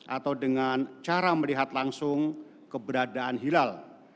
atau dengan cara melihat langsung keberadaan hilal